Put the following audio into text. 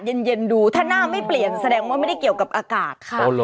โอ้โฮไม่ได้เกี่ยวกับอากาศ